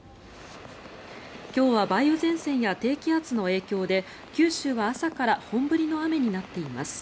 今日は梅雨前線や低気圧の影響で九州は朝から本降りの雨になっています。